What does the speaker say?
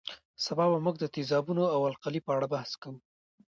سبا به موږ د تیزابونو او القلي په اړه بحث کوو